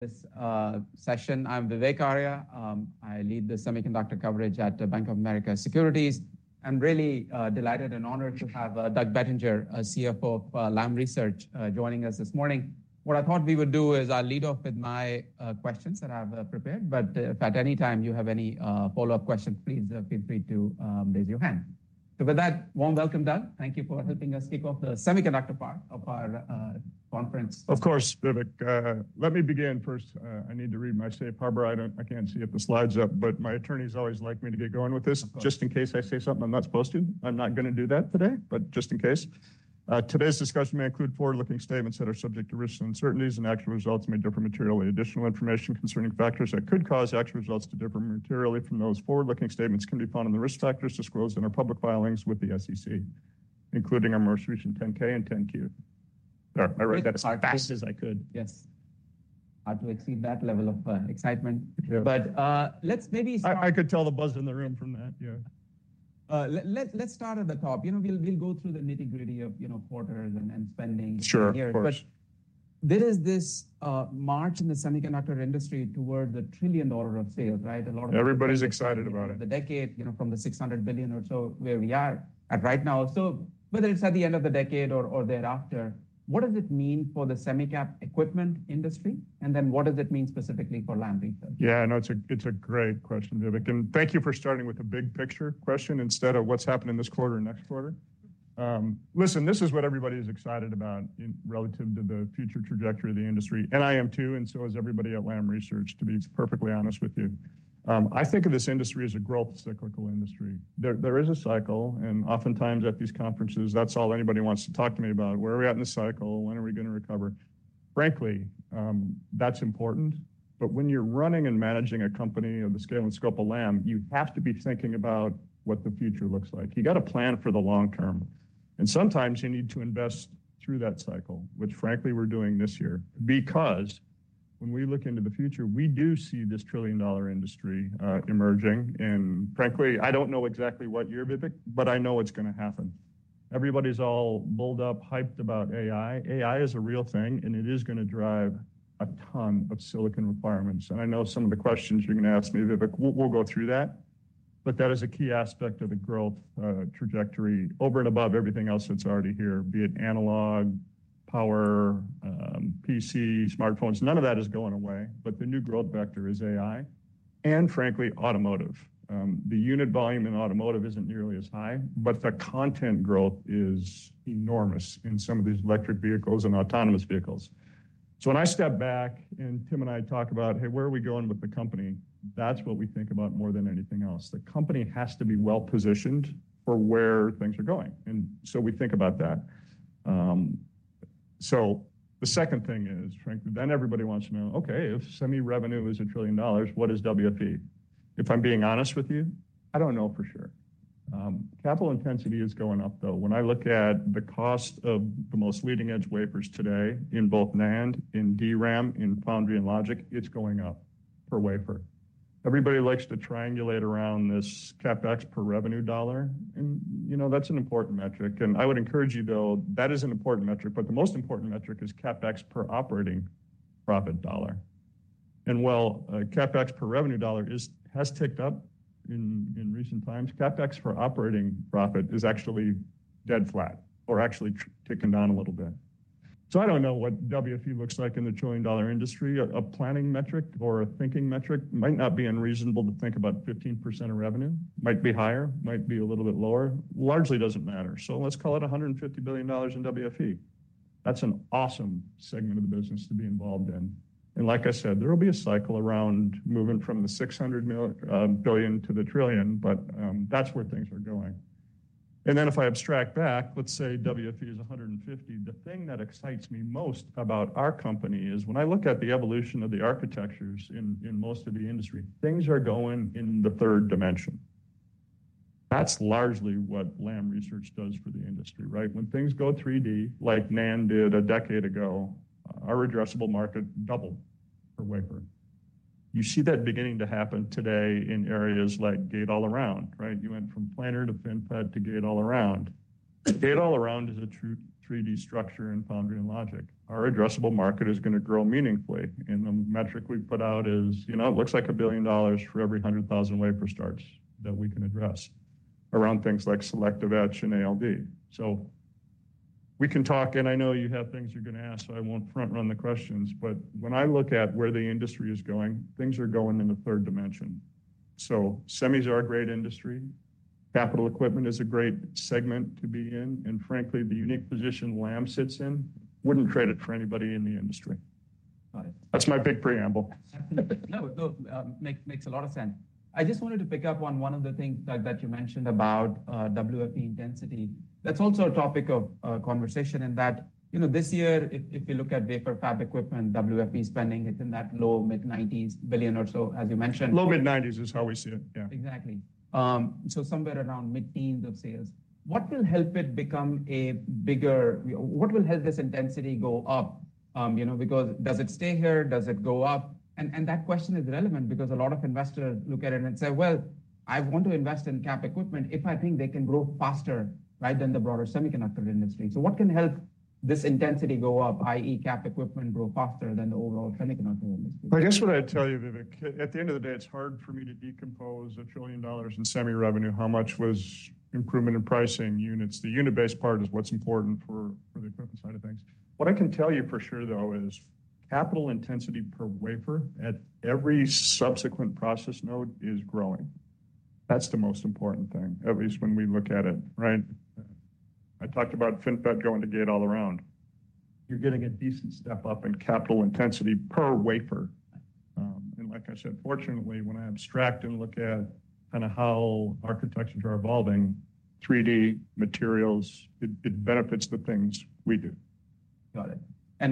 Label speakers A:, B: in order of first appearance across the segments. A: This session. I'm Vivek Arya. I lead the semiconductor coverage at Bank of America Securities. I'm really delighted and honored to have Doug Bettinger, CFO of Lam Research, joining us this morning. What I thought we would do is I'll lead off with my questions that I've prepared, but if at any time you have any follow-up questions, please feel free to raise your hand. So with that, warm welcome, Doug. Thank you for helping us kick off the semiconductor part of our conference.
B: Of course, Vivek. Let me begin. First, I need to read my safe harbor. I don't- I can't see if the slide's up, but my attorneys always like me to get going with this, just in case I say something I'm not supposed to. I'm not gonna do that today, but just in case. Today's discussion may include forward-looking statements that are subject to risks and uncertainties, and actual results may differ materially. Additional information concerning factors that could cause actual results to differ materially from those forward-looking statements can be found in the risk factors disclosed in our public filings with the SEC, including our most recent 10-K and 10-Q. I read that as fast as I could.
A: Yes. Hard to exceed that level of excitement.
B: Sure.
A: But, let's maybe start-
B: I could tell the buzz in the room from that. Yeah.
A: Let's start at the top. You know, we'll go through the nitty-gritty of, you know, quarters and spending.
B: Sure, of course.
A: But there is this, march in the semiconductor industry towards $1 trillion of sales, right? A lot of-
B: Everybody's excited about it.
A: The decade, you know, from the $600 billion or so, where we are at right now. So whether it's at the end of the decade or thereafter, what does it mean for the semiconductor equipment industry? And then what does it mean specifically for Lam Research?
B: Yeah, I know it's a great question, Vivek, and thank you for starting with a big picture question instead of what's happening this quarter or next quarter. Listen, this is what everybody is excited about in relative to the future trajectory of the industry, and I am too, and so is everybody at Lam Research, to be perfectly honest with you. I think of this industry as a growth cyclical industry. There is a cycle, and oftentimes at these conferences, that's all anybody wants to talk to me about: where are we at in the cycle? When are we gonna recover? Frankly, that's important, but when you're running and managing a company of the scale and scope of Lam, you have to be thinking about what the future looks like. You've got to plan for the long term, and sometimes you need to invest through that cycle, which frankly, we're doing this year. Because when we look into the future, we do see this trillion-dollar industry emerging, and frankly, I don't know exactly what year, Vivek, but I know it's gonna happen. Everybody's all bulled up, hyped about AI. AI is a real thing, and it is gonna drive a ton of silicon requirements, and I know some of the questions you're gonna ask me, Vivek. We'll, we'll go through that, but that is a key aspect of the growth trajectory over and above everything else that's already here, be it analog, power, PC, smartphones. None of that is going away, but the new growth vector is AI and, frankly, automotive. The unit volume in automotive isn't nearly as high, but the content growth is enormous in some of these electric vehicles and autonomous vehicles. So when I step back and Tim and I talk about, "Hey, where are we going with the company?" That's what we think about more than anything else. The company has to be well-positioned for where things are going, and so we think about that. So the second thing is, frankly, then everybody wants to know, okay, if semi revenue is $1 trillion, what is WFE? If I'm being honest with you, I don't know for sure. Capital intensity is going up, though. When I look at the cost of the most leading-edge wafers today in both NAND, in DRAM, in foundry and logic, it's going up per wafer. Everybody likes to triangulate around this CapEx per revenue dollar, and, you know, that's an important metric, and I would encourage you, though, that is an important metric, but the most important metric is CapEx per operating profit dollar. And while CapEx per revenue dollar has ticked up in recent times, CapEx for operating profit is actually dead flat or actually ticking down a little bit. So I don't know what WFE looks like in the trillion-dollar industry. A planning metric or a thinking metric might not be unreasonable to think about 15% of revenue, might be higher, might be a little bit lower. Largely doesn't matter, so let's call it $150 billion in WFE. That's an awesome segment of the business to be involved in. And like I said, there will be a cycle around moving from the $600 billion to the $1 trillion, but that's where things are going. Then if I abstract back, let's say WFE is $150 billion. The thing that excites me most about our company is when I look at the evolution of the architectures in most of the industry, things are going in the third dimension. That's largely what Lam Research does for the industry, right? When things go 3D, like NAND did a decade ago, our addressable market doubled for wafer. You see that beginning to happen today in areas like Gate-All-Around, right? You went from planar to FinFET to Gate-All-Around. Gate-All-Around is a true 3D structure in foundry and logic. Our addressable market is gonna grow meaningfully, and the metric we put out is, you know, it looks like $1 billion for every 100,000 wafer starts that we can address around things like selective etch and ALD. So we can talk, and I know you have things you're gonna ask, so I won't front-run the questions. But when I look at where the industry is going, things are going in the third dimension. So semis are a great industry. Capital equipment is a great segment to be in, and frankly, the unique position Lam sits in, wouldn't trade it for anybody in the industry.
A: Right.
B: That's my big preamble.
A: No, no, makes a lot of sense. I just wanted to pick up on one of the things, Doug, that you mentioned about WFE intensity. That's also a topic of conversation in that, you know, this year, if you look at wafer fab equipment, WFE spending, it's in that low- to mid-$90s billion or so, as you mentioned.
B: to mid-90s is how we see it, yeah.
A: Exactly. So somewhere around mid-teens of sales. What will help it become a bigger... What will help this intensity go up? You know, because does it stay here? Does it go up? And that question is relevant because a lot of investors look at it and say: "Well... I want to invest in cap equipment if I think they can grow faster, right, than the broader semiconductor industry. So what can help this intensity go up, i.e., cap equipment grow faster than the overall semiconductor industry?
B: I guess what I'd tell you, Vivek, at the end of the day, it's hard for me to decompose $1 trillion in semi revenue, how much was improvement in pricing units. The unit-based part is what's important for the equipment side of things. What I can tell you for sure, though, is capital intensity per wafer at every subsequent process node is growing. That's the most important thing, at least when we look at it, right? I talked about FinFET going to Gate-All-Around. You're getting a decent step up in capital intensity per wafer. And like I said, fortunately, when I abstract and look at kind of how architectures are evolving, 3D materials, it benefits the things we do.
A: Got it.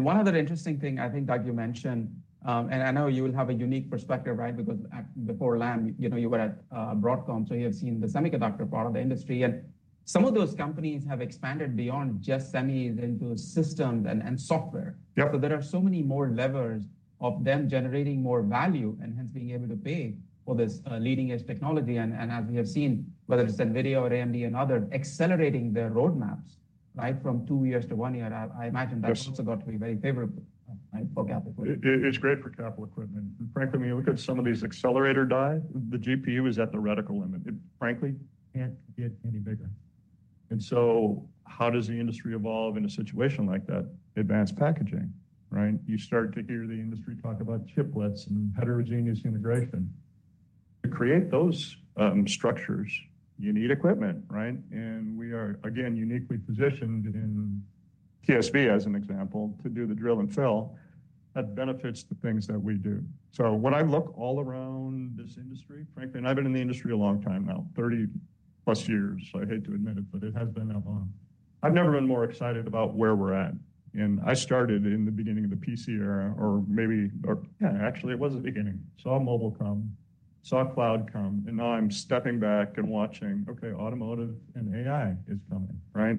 A: One other interesting thing I think that you mentioned, and I know you will have a unique perspective, right? Because before Lam, you know, you were at Broadcom, so you have seen the semiconductor part of the industry, and some of those companies have expanded beyond just semis into systems and software.
B: Yeah.
A: So there are so many more levers of them generating more value and hence being able to pay for this, leading-edge technology. And as we have seen, whether it's Nvidia or AMD and others, accelerating their roadmaps, right, from two years to one year. I imagine-
B: Yes...
A: that's also got to be very favorable, right, for capital.
B: It's great for capital equipment. And frankly, when you look at some of these accelerator die, the GPU is at the reticle limit. It frankly can't get any bigger. And so how does the industry evolve in a situation like that? Advanced packaging, right? You start to hear the industry talk about chiplets and heterogeneous integration. To create those structures, you need equipment, right? And we are, again, uniquely positioned in TSV, as an example, to do the drill and fill. That benefits the things that we do. So when I look all around this industry, frankly, and I've been in the industry a long time now, 30+ years, I hate to admit it, but it has been that long. I've never been more excited about where we're at, and I started in the beginning of the PC era, or maybe... Yeah, actually, it was the beginning. Saw mobile come, saw cloud come, and now I'm stepping back and watching, okay, automotive and AI is coming, right?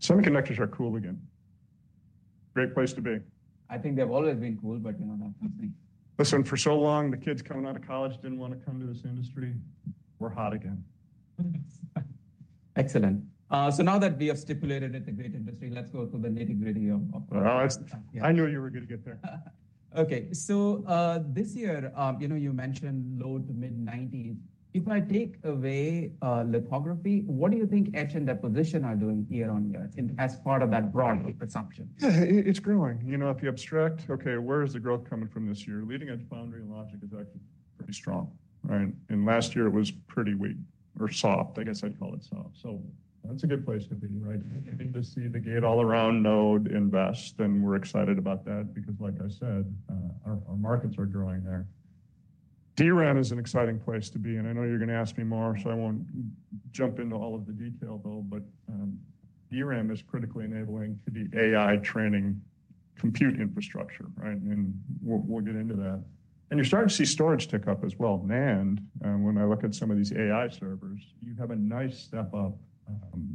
B: Semiconductors are cool again. Great place to be.
A: I think they've always been cool, but, you know, that's me.
B: Listen, for so long, the kids coming out of college didn't want to come to this industry. We're hot again.
A: Excellent. So now that we have stipulated it's a great industry, let's go through the nitty-gritty of, of-
B: All right.
A: Yeah.
B: I knew you were gonna get there.
A: Okay. So, this year, you know, you mentioned low- to mid-90s. If I take away, lithography, what do you think etch and deposition are doing year-over-year in, as part of that broad assumption?
B: Yeah, it, it's growing. You know, if you abstract, okay, where is the growth coming from this year? Leading-edge foundry and logic is actually pretty strong, right? And last year it was pretty weak or soft. I guess I'd call it soft. So that's a good place to be, right? Beginning to see the Gate-All-Around node invest, and we're excited about that because, like I said, our, our markets are growing there. DRAM is an exciting place to be, and I know you're gonna ask me more, so I won't jump into all of the detail, though. But, DRAM is critically enabling the AI training compute infrastructure, right? And we'll, we'll get into that. And you're starting to see storage tick up as well. NAND, when I look at some of these AI servers, you have a nice step up,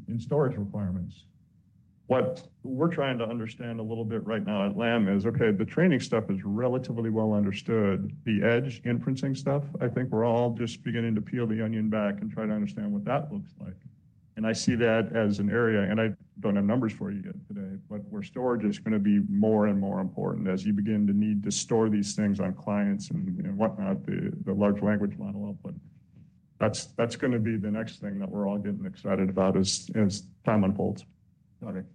B: in storage requirements. What we're trying to understand a little bit right now at Lam is, okay, the training stuff is relatively well understood. The edge inferencing stuff, I think we're all just beginning to peel the onion back and try to understand what that looks like. And I see that as an area, and I don't have numbers for you yet today, but where storage is gonna be more and more important as you begin to need to store these things on clients and whatnot, the large language model. But that's gonna be the next thing that we're all getting excited about as time unfolds.
A: Got it.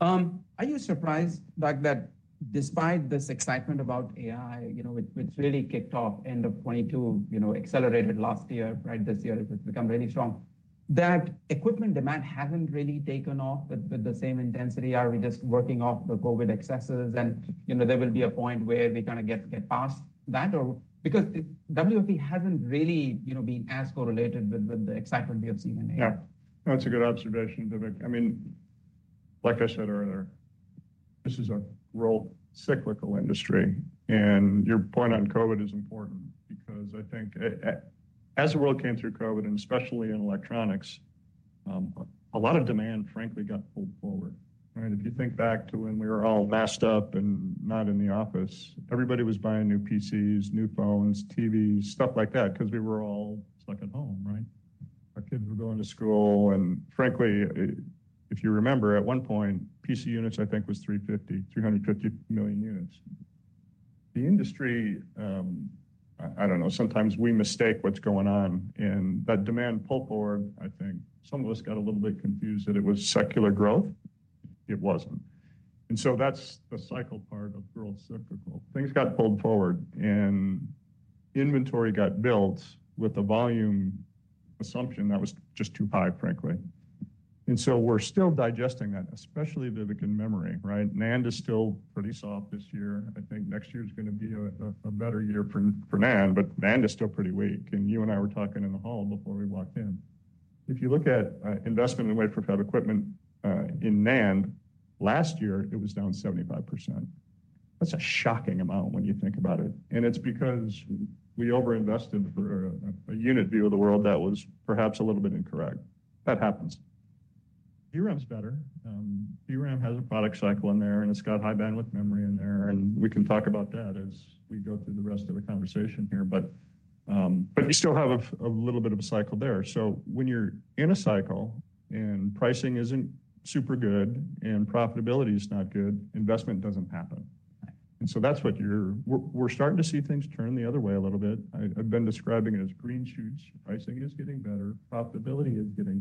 A: Are you surprised, like, that despite this excitement about AI, you know, which really kicked off end of 2022, you know, accelerated last year, right? This year it has become really strong. That equipment demand hasn't really taken off with the same intensity. Are we just working off the COVID excesses and, you know, there will be a point where we kind of get past that or... Because WFE hasn't really, you know, been as correlated with the excitement we have seen in AI.
B: Yeah. That's a good observation, Vivek. I mean, like I said earlier, this is a real cyclical industry, and your point on COVID is important because I think, as the world came through COVID, and especially in electronics, a lot of demand, frankly, got pulled forward, right? If you think back to when we were all masked up and not in the office, everybody was buying new PCs, new phones, TVs, stuff like that, because we were all stuck at home, right? Our kids were going to school, and frankly, if you remember, at one point, PC units, I think, was 350, 350 million units. The industry, I don't know, sometimes we mistake what's going on, and that demand pulled forward, I think, some of us got a little bit confused that it was secular growth. It wasn't. So that's the cycle part of the world cyclical. Things got pulled forward, and inventory got built with a volume assumption that was just too high, frankly. So we're still digesting that, especially, Vivek, in memory, right? NAND is still pretty soft this year. I think next year is gonna be a better year for NAND, but NAND is still pretty weak, and you and I were talking in the hall before we walked in. If you look at investment in wafer fab equipment in NAND, last year it was down 75%. That's a shocking amount when you think about it, and it's because we overinvested for a unit view of the world that was perhaps a little bit incorrect. That happens. DRAM's better. DRAM has a product cycle in there, and it's got high bandwidth memory in there, and we can talk about that as we go through the rest of the conversation here. But you still have a little bit of a cycle there. So when you're in a cycle, and pricing isn't super good, and profitability is not good, investment doesn't happen.
A: Right.
B: And so that's what we're starting to see things turn the other way a little bit. I've been describing it as green shoots. Pricing is getting better, profitability is getting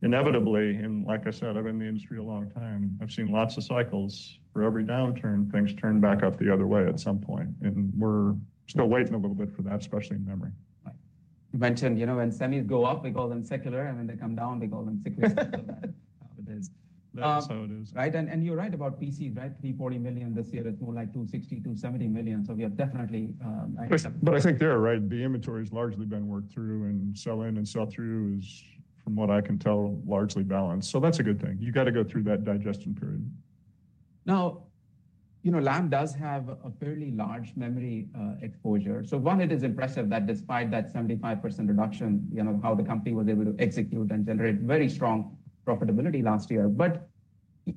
B: better. Inevitably, and like I said, I've been in the industry a long time, I've seen lots of cycles. For every downturn, things turn back up the other way at some point, and we're still waiting a little bit for that, especially in memory.
A: Right. You mentioned, you know, when semis go up, we call them secular, and when they come down, we call them secular.
B: That's how it is.
A: Right. And you're right about PC, right? 340 million this year, it's more like 260, 270 million, so we are definitely-
B: But I think they're right. The inventory's largely been worked through, and sell in and sell through is, from what I can tell, largely balanced. So that's a good thing. You've got to go through that digestion period.
A: Now, you know, Lam does have a fairly large memory exposure. So one, it is impressive that despite that 75% reduction, you know, how the company was able to execute and generate very strong profitability last year. But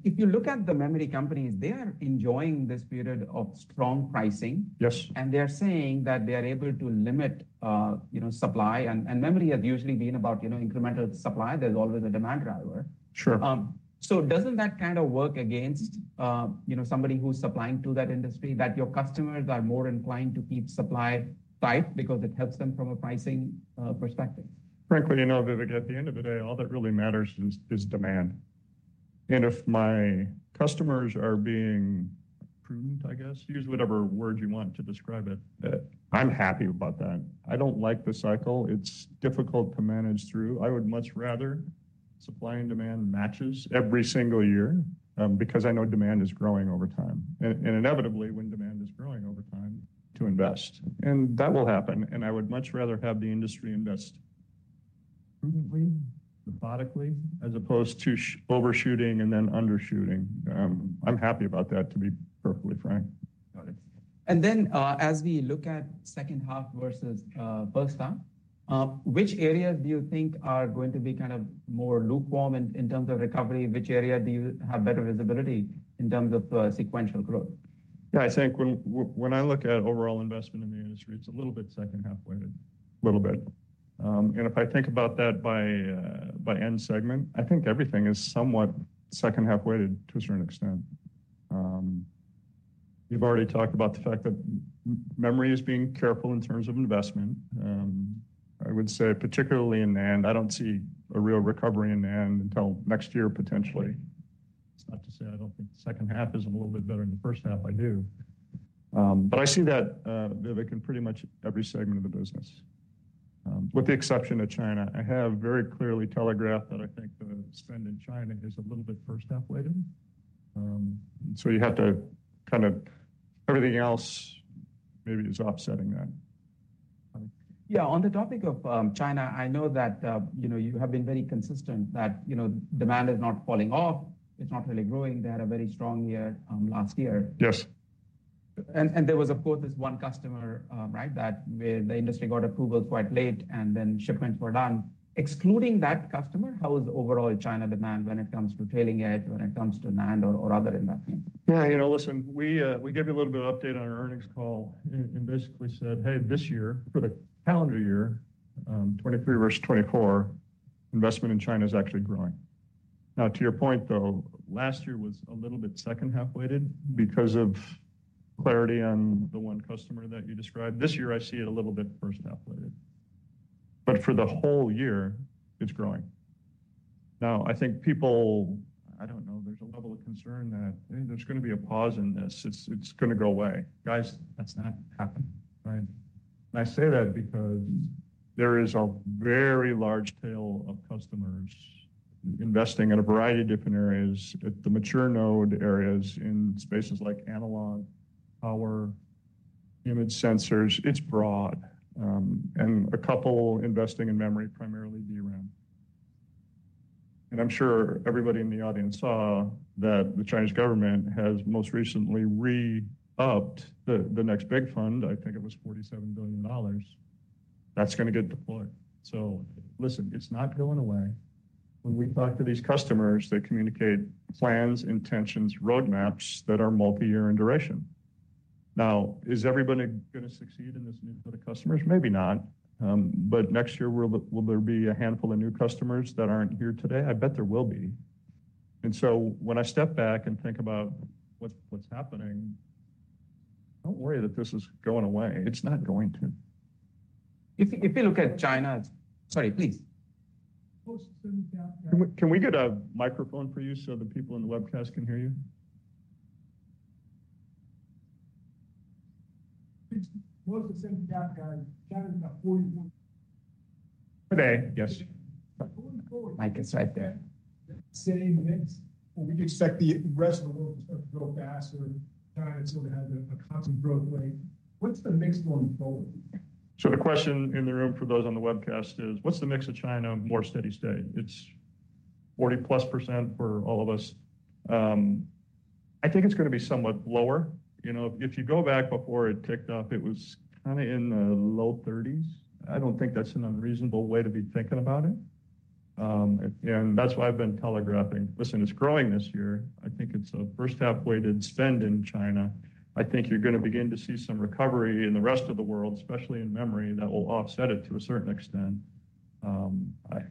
A: if you look at the memory companies, they are enjoying this period of strong pricing.
B: Yes.
A: They are saying that they are able to limit, you know, supply, and, and memory has usually been about, you know, incremental supply. There's always a demand driver.
B: Sure.
A: So, doesn't that kind of work against, you know, somebody who's supplying to that industry, that your customers are more inclined to keep supply tight because it helps them from a pricing perspective?
B: Frankly, you know, Vivek, at the end of the day, all that really matters is demand. And if my customers are being prudent, I guess, use whatever word you want to describe it, I'm happy about that. I don't like the cycle. It's difficult to manage through. I would much rather supply and demand matches every single year, because I know demand is growing over time. And inevitably, when demand is growing over time, to invest, and that will happen. And I would much rather have the industry invest prudently, methodically, as opposed to overshooting and then undershooting. I'm happy about that, to be perfectly frank.
A: Got it. And then, as we look at second half versus first half, which areas do you think are going to be kind of more lukewarm in, in terms of recovery? Which area do you have better visibility in terms of sequential growth?
B: Yeah, I think when I look at overall investment in the industry, it's a little bit second half weighted. Little bit. And if I think about that by, by end segment, I think everything is somewhat second half weighted to a certain extent. We've already talked about the fact that memory is being careful in terms of investment. I would say particularly in NAND, I don't see a real recovery in NAND until next year, potentially. That's not to say I don't think the second half is a little bit better than the first half. I do. But I see that, Vivek, in pretty much every segment of the business, with the exception of China. I have very clearly telegraphed that I think the spend in China is a little bit first half weighted. So you have to kind of... Everything else maybe is offsetting that.
A: Got it. Yeah, on the topic of, China, I know that, you know, you have been very consistent that, you know, demand is not falling off. It's not really growing. They had a very strong year, last year.
B: Yes.
A: And there was, of course, this one customer, right, that where the industry got approval quite late, and then shipments were done. Excluding that customer, how is the overall China demand when it comes to trailing edge, when it comes to NAND or other investments?
B: Yeah, you know, listen, we, we gave you a little bit of update on our earnings call and, and basically said: Hey, this year, for the calendar year, 2023 versus 2024, investment in China is actually growing. Now, to your point, though, last year was a little bit second half weighted because of clarity on the one customer that you described. This year, I see it a little bit first half weighted. But for the whole year, it's growing. Now, I think people... I don't know, there's a level of concern that, "Hey, there's gonna be a pause in this. It's gonna go away." Guys, that's not happening, right? I say that because there is a very large tail of customers investing in a variety of different areas, at the mature node areas in spaces like analog, power, image sensors. It's broad, and a couple investing in memory, primarily DRAM. I'm sure everybody in the audience saw that the Chinese government has most recently re-upped the next big fund. I think it was $47 billion. That's gonna get deployed. So listen, it's not going away. When we talk to these customers, they communicate plans, intentions, roadmaps that are multiyear in duration. Now, is everybody gonna succeed in this new set of customers? Maybe not. But next year, will there be a handful of new customers that aren't here today? I bet there will be. And so when I step back and think about what's, what's happening, don't worry that this is going away. It's not going to.
A: If you look at China. Sorry, please....
B: Can we, can we get a microphone for you so the people on the webcast can hear you?
C: It's more of the same CapEx guide. China is about 41.
B: Today, yes.
A: Mic is right there.
C: The same mix, or we expect the rest of the world to grow faster than China, so we have a constant growth rate. What's the mix going forward?
B: So the question in the room, for those on the webcast, is: What's the mix of China more steady state? It's 40%+ for all of us. I think it's going to be somewhat lower. You know, if you go back before it ticked up, it was kind of in the low 30s. I don't think that's an unreasonable way to be thinking about it. And that's why I've been telegraphing. Listen, it's growing this year. I think it's a first half weighted spend in China. I think you're going to begin to see some recovery in the rest of the world, especially in memory, that will offset it to a certain extent.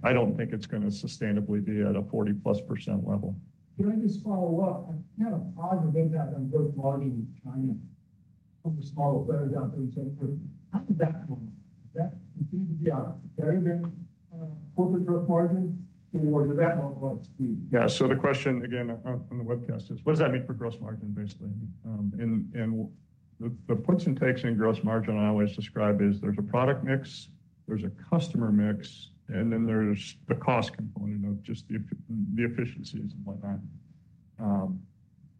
B: I don't think it's going to sustainably be at a 40%+ level.
C: Can I just follow up? I'm kind of positive about that on gross margin in China, over the smaller players out there. How did that go? That seemed to be very good, corporate growth margin, or did that all go up to you?
B: Yeah. So the question again on the webcast is: What does that mean for gross margin, basically? And the puts and takes in gross margin I always describe is there's a product mix, there's a customer mix, and then there's the cost component of just the efficiencies and whatnot.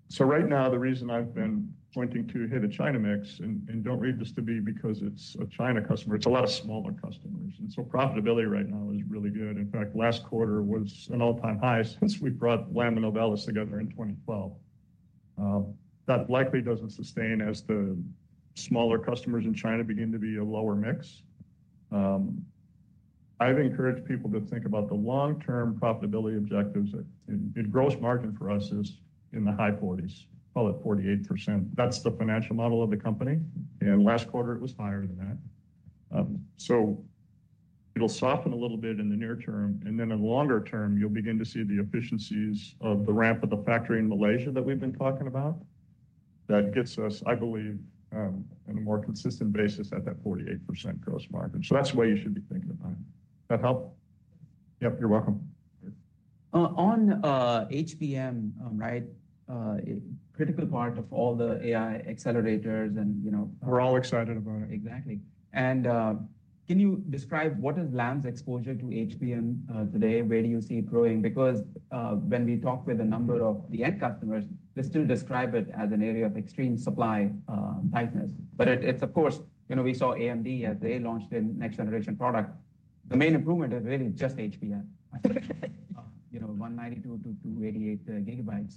B: So right now, the reason I've been pointing to a high China mix, and don't read this to be because it's a China customer, it's a lot of smaller customers, and so profitability right now is really good. In fact, last quarter was an all-time high since we brought Lam and Novellus together in 2012. That likely doesn't sustain as the smaller customers in China begin to be a lower mix. I've encouraged people to think about the long-term profitability objectives, and gross margin for us is in the high 40s, call it 48%. That's the financial model of the company, and last quarter it was higher than that. So it'll soften a little bit in the near term, and then in the longer term, you'll begin to see the efficiencies of the ramp of the factory in Malaysia that we've been talking about. That gets us, I believe, on a more consistent basis at that 48% gross margin. So that's the way you should be thinking about it. That help? Yep, you're welcome.
A: On HBM, right, a critical part of all the AI accelerators, and, you know-
B: We're all excited about it.
A: Exactly. And, can you describe what is Lam's exposure to HBM, today? Where do you see it growing? Because, when we talk with a number of the end customers, they still describe it as an area of extreme supply, tightness. But it, it's, of course, you know, we saw AMD as they launched their next generation product. The main improvement is really just HBM. You know, 192 GB-288 GB.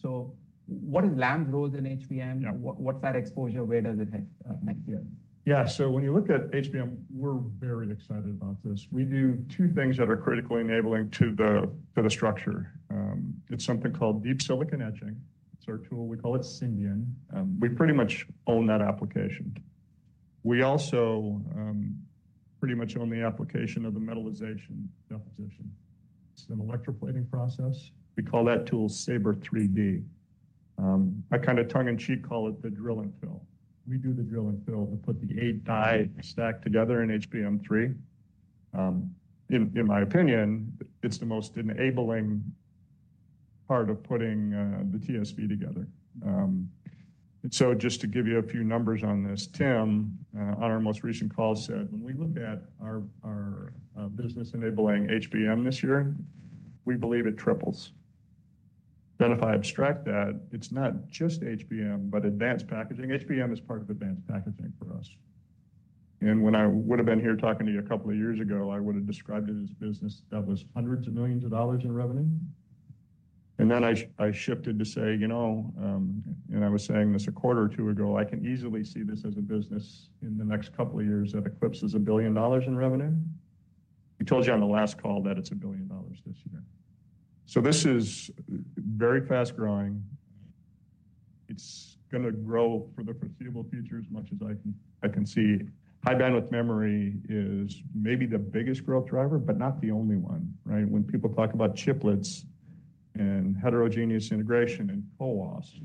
A: So what is Lam's role in HBM?
B: Yeah.
A: What, what's that exposure? Where does it have next year?
B: Yeah. So when you look at HBM, we're very excited about this. We do two things that are critically enabling to the, to the structure. It's something called deep silicon etching. It's our tool. We call it Syndion. We pretty much own that application. We also pretty much own the application of the metallization deposition. It's an electroplating process. We call that tool Sabre 3D. I kind of tongue-in-cheek call it the drill and fill. We do the drill and fill to put the eight die stack together in HBM3. In my opinion, it's the most enabling part of putting the TSV together. And so just to give you a few numbers on this, Tim, on our most recent call, said when we look at our business enabling HBM this year, we believe it triples. Then if I abstract that, it's not just HBM, but advanced packaging. HBM is part of advanced packaging for us. And when I would have been here talking to you a couple of years ago, I would have described it as business that was $hundreds of millions in revenue. And then I shifted to say, you know, and I was saying this a quarter or two ago, I can easily see this as a business in the next couple of years that eclipses $1 billion in revenue. We told you on the last call that it's $1 billion this year. So this is very fast-growing. It's gonna grow for the foreseeable future, as much as I can see. High-bandwidth memory is maybe the biggest growth driver, but not the only one, right? When people talk about chiplets and heterogeneous integration and CoWoS,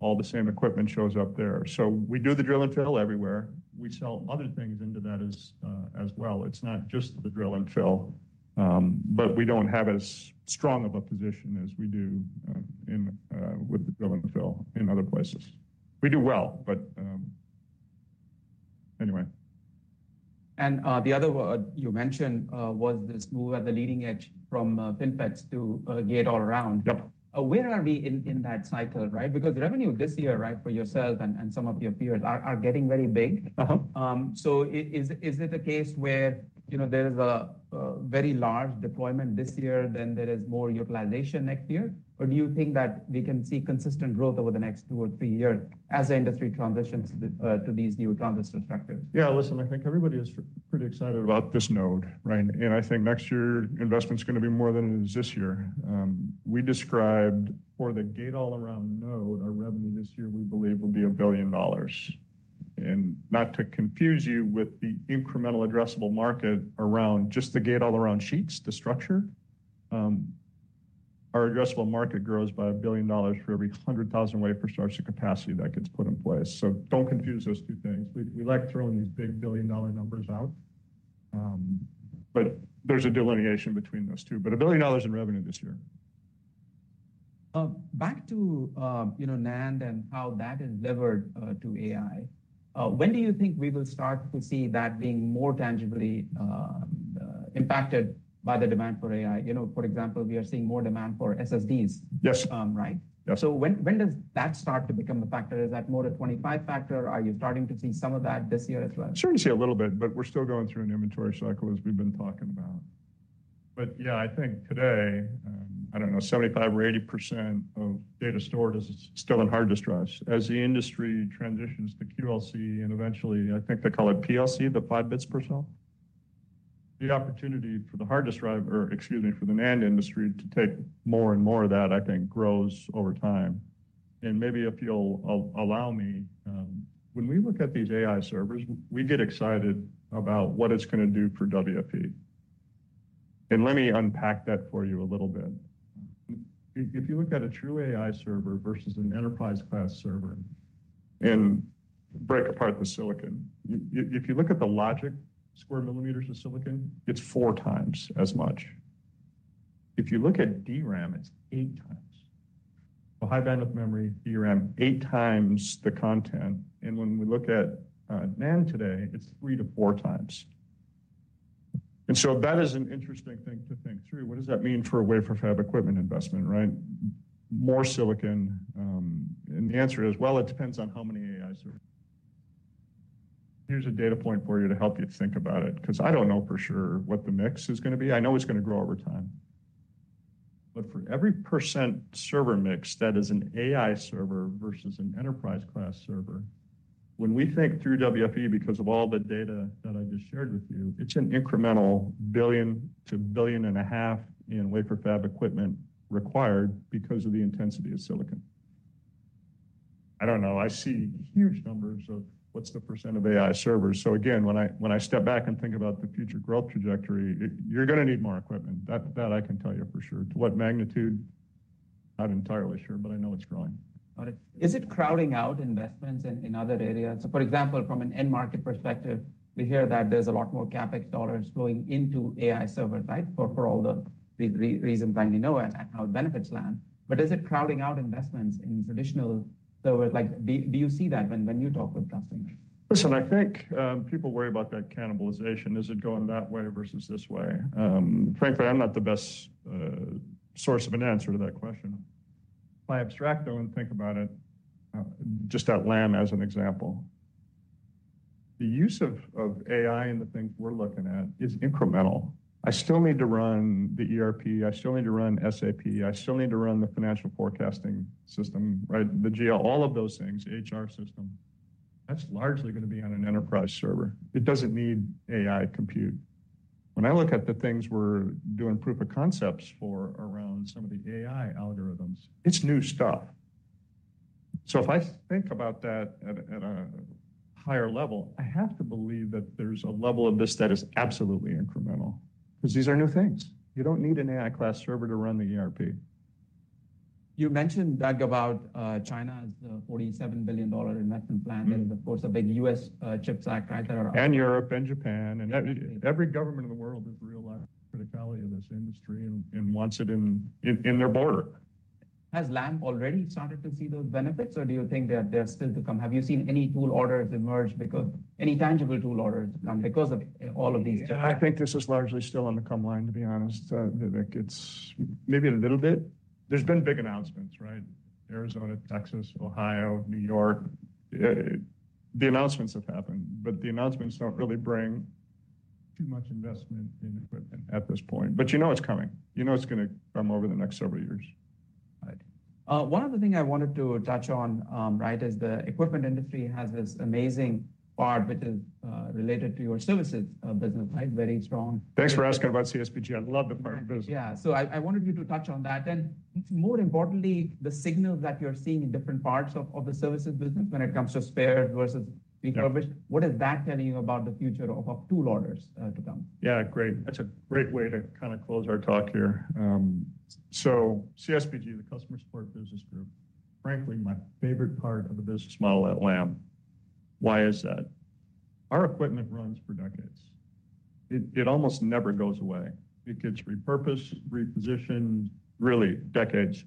B: all the same equipment shows up there. So we do the drill and fill everywhere. We sell other things into that as well. It's not just the drill and fill, but we don't have as strong of a position as we do in with the drill and fill in other places. We do well, but anyway.
A: The other one you mentioned was this move at the leading edge from FinFETs to Gate-All-Around.
B: Yep.
A: Where are we in that cycle, right? Because revenue this year, right, for yourself and some of your peers are getting very big.
B: Uh-huh.
A: So, is it a case where, you know, there is a very large deployment this year, then there is more utilization next year? Or do you think that we can see consistent growth over the next two or three years as the industry transitions to these new transistor structures?
B: Yeah, listen, I think everybody is pretty excited about this node, right? And I think next year, investment's gonna be more than it is this year. We described for the Gate-All-Around node, our revenue this year, we believe, will be $1 billion. And not to confuse you with the incremental addressable market around just the Gate-All-Around sheets, the structure. Our addressable market grows by $1 billion for every 100,000 wafer starts to capacity that gets put in place. So don't confuse those two things. We, we like throwing these big billion-dollar numbers out, but there's a delineation between those two. But $1 billion in revenue this year.
A: Back to, you know, NAND and how that is levered to AI. When do you think we will start to see that being more tangibly impacted by the demand for AI? You know, for example, we are seeing more demand for SSDs.
B: Yes.
A: Um, right?
B: Yeah.
A: So when, when does that start to become a factor? Is that more a 25 factor, or are you starting to see some of that this year as well?
B: Sure, you see a little bit, but we're still going through an inventory cycle, as we've been talking about. But yeah, I think today, I don't know, 75% or 80% of data storage is still in hard disk drives. As the industry transitions to QLC, and eventually, I think they call it PLC, the five bits per cell, the opportunity for the hard disk drive, or excuse me, for the NAND industry to take more and more of that, I think, grows over time. And maybe if you'll allow me, when we look at these AI servers, we get excited about what it's going to do for WFE. And let me unpack that for you a little bit. If you look at a true AI server versus an enterprise-class server and break apart the silicon, if you look at the logic square millimeters of silicon, it's four times as much. If you look at DRAM, it's eight times. So high bandwidth memory, DRAM, eight times the content, and when we look at NAND today, it's three to four times. And so that is an interesting thing to think through. What does that mean for a wafer fab equipment investment, right? More silicon, and the answer is, well, it depends on how many AI servers. Here's a data point for you to help you think about it, 'cause I don't know for sure what the mix is gonna be. I know it's gonna grow over time. But for every 1% server mix, that is an AI server versus an enterprise-class server, when we think through WFE, because of all the data that I just shared with you, it's an incremental $1 billion-$1.5 billion in wafer fab equipment required because of the intensity of silicon. I don't know. I see huge numbers of what's the percent of AI servers. So again, when I step back and think about the future growth trajectory, you're gonna need more equipment. That I can tell you for sure. To what magnitude? Not entirely sure, but I know it's growing.
A: But is it crowding out investments in other areas? So for example, from an end market perspective, we hear that there's a lot more CapEx dollars flowing into AI servers, right? For all the reasons that we know and how it benefits Lam. But is it crowding out investments in traditional servers? Like, do you see that when you talk with customers?
B: Listen, I think people worry about that cannibalization. Is it going that way versus this way? Frankly, I'm not the best source of an answer to that question. But abstractly, though, and think about it, just at Lam as an example, the use of AI and the things we're looking at is incremental. I still need to run the ERP. I still need to run SAP. I still need to run the financial forecasting system, right? The GL, all of those things, HR system, that's largely gonna be on an enterprise server. It doesn't need AI compute. When I look at the things we're doing proof of concepts for around some of the AI algorithms, it's new stuff. So if I think about that at a higher level, I have to believe that there's a level of this that is absolutely incremental, because these are new things. You don't need an AI class server to run the ERP.
A: You mentioned, Doug, about China's $47 billion investment plan-
B: Mm-hmm...
A: and, of course, a big U.S. CHIPS Act, right, that are-
B: Europe and Japan, and every government in the world is realizing the criticality of this industry and wants it in their border.
A: Has Lam already started to see those benefits, or do you think that they're still to come? Have you seen any tangible tool orders come because of all of these?
B: I think this is largely still on the come line, to be honest, Vivek. It's maybe in a little bit. There's been big announcements, right? Arizona, Texas, Ohio, New York. The announcements have happened, but the announcements don't really bring too much investment in equipment at this point. But you know it's coming. You know it's gonna come over the next several years.
A: Right. One other thing I wanted to touch on, right, is the equipment industry has this amazing part which is related to your services business, right? Very strong.
B: Thanks for asking about CSBG. I love that part of the business.
A: Yeah. So I wanted you to touch on that, and more importantly, the signals that you're seeing in different parts of the services business when it comes to spares versus refurbished.
B: Yeah.
A: What is that telling you about the future of tool orders to come?
B: Yeah, great. That's a great way to kind of close our talk here. So CSBG, the Customer Support Business Group, frankly, my favorite part of the business model at Lam. Why is that? Our equipment runs for decades. It almost never goes away. It gets repurposed, repositioned, really, decades.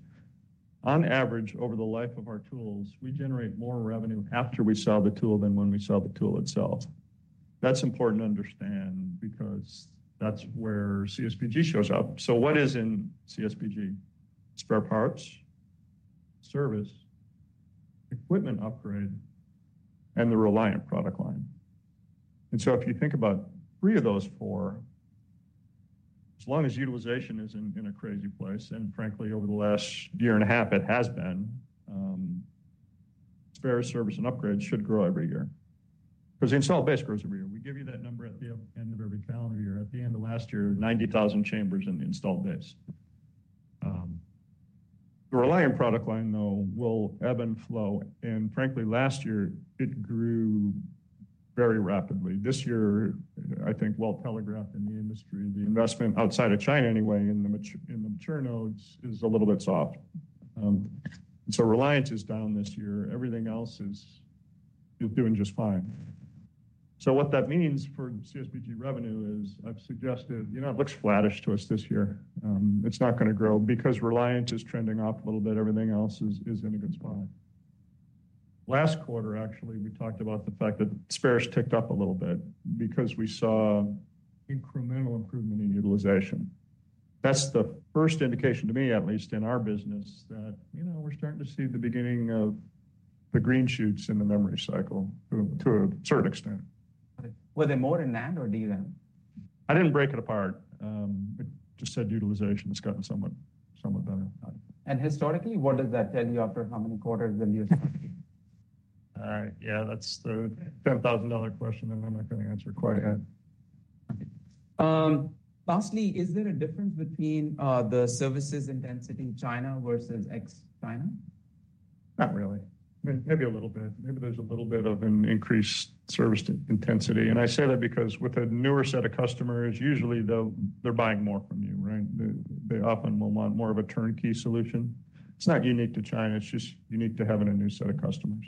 B: On average, over the life of our tools, we generate more revenue after we sell the tool than when we sell the tool itself. That's important to understand because that's where CSBG shows up. So what is in CSBG? Spare parts, service, equipment upgrade, and the Reliant product line. And so if you think about three of those four, as long as utilization is in a crazy place, and frankly, over the last year and a half, it has been, spare service and upgrades should grow every year. Because the installed base grows every year. We give you that number at the end of every calendar year. At the end of last year, 90,000 chambers in the installed base. The Reliant product line, though, will ebb and flow, and frankly, last year, it grew very rapidly. This year, I think well-telegraphed in the industry, the investment outside of China, anyway, in the mature nodes is a little bit soft. So Reliant is down this year. Everything else is doing just fine. So what that means for CSBG revenue is, I've suggested, you know, it looks flattish to us this year. It's not gonna grow because Reliant is trending up a little bit. Everything else is in a good spot. Last quarter, actually, we talked about the fact that spares ticked up a little bit because we saw incremental improvement in utilization. That's the first indication, to me at least, in our business that, you know, we're starting to see the beginning of the green shoots in the memory cycle to a certain extent.
A: Okay. Were they more in NAND or DRAM?
B: I didn't break it apart. It just said utilization has gotten somewhat better.
A: Historically, what does that tell you after how many quarters when you?
B: All right. Yeah, that's the $10,000 question, and I'm not going to answer it quite yet.
A: Lastly, is there a difference between the services intensity in China versus ex-China?
B: Not really. I mean, maybe a little bit. Maybe there's a little bit of an increased service intensity. I say that because with a newer set of customers, usually they're buying more from you, right? They often will want more of a turnkey solution. It's not unique to China. It's just unique to having a new set of customers.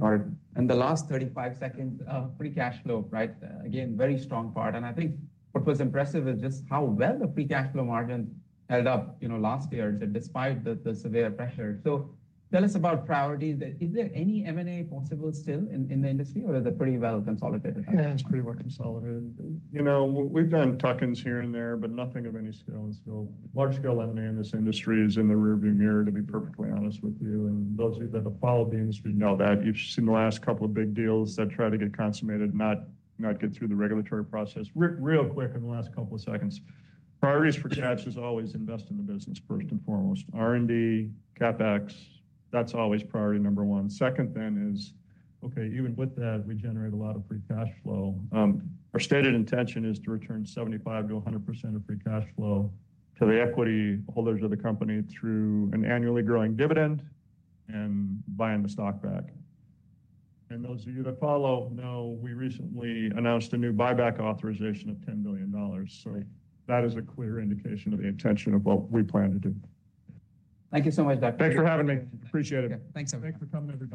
A: All right. In the last 35 seconds, free cash flow, right? Again, very strong part, and I think what was impressive is just how well the free cash flow margin held up, you know, last year, despite the, the severe pressure. So tell us about priorities. Is there any M&A possible still in, in the industry, or is it pretty well consolidated?
B: Yeah, it's pretty well consolidated. You know, we've done tuck-ins here and there, but nothing of any scale and scope. Large-scale M&A in this industry is in the rearview mirror, to be perfectly honest with you. And those of you that have followed the industry know that. You've seen the last couple of big deals that try to get consummated, not get through the regulatory process. Real quick, in the last couple of seconds, priorities for cash is always invest in the business, first and foremost. R&D, CapEx, that's always priority number one. Second then is, okay, even with that, we generate a lot of free cash flow. Our stated intention is to return 75%-100% of free cash flow to the equity holders of the company through an annually growing dividend and buying the stock back. Those of you that follow know we recently announced a new buyback authorization of $10 billion. That is a clear indication of the intention of what we plan to do.
A: Thank you so much, Doug.
B: Thanks for having me. Appreciate it.
A: Yeah. Thanks.
B: Thanks for coming, everybody.